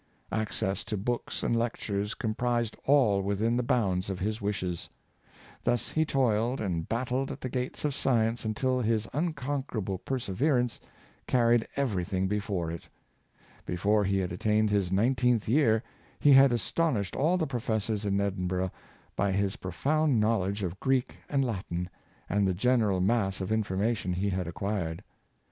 Access to books and lectures com prised all within the bounds of his wishes. Thus he toiled and battled at the gates of science until his un conquerable perseverance carried everything before it. Before he had attained his nineteenth year he had as tonished all the professors in Edinbnrgh by his pro found knowledge of Greek and Latin, and the general mass of information he had acquired.